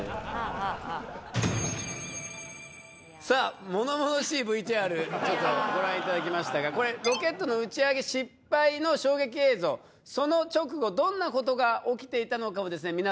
５４３２１０さあものものしいＶＴＲご覧いただきましたがこれロケットの打ち上げ失敗の衝撃映像その直後どんなことが起きていたのかをですね